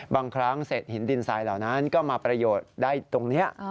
บางครั้งเศษหินดินทรายเหล่านั้นก็มาประโยชน์ได้ตรงนี้